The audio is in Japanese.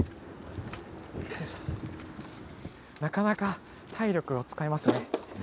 なかなか体力を使いますね。